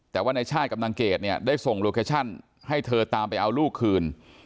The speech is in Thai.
แต่ว่าในชาติกับนางเกดเนี่ยได้ส่งโลเคชั่นให้เธอตามไปเอาลูกคืน